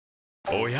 おや？